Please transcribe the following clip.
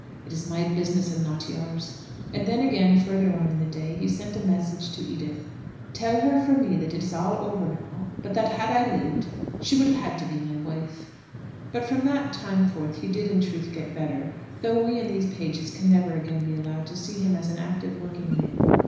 It is my business and not yours." And then again further on in the day he sent a message to Edith. "Tell her from me that it is all over now, but that had I lived she would have had to be my wife." But from that time forth he did in truth get better, though we in these pages can never again be allowed to see him as an active working man.